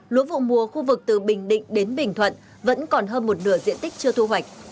lúa vụ mùa khu vực từ bình định đến bình thuận vẫn còn hơn một nửa diện tích chưa thu hoạch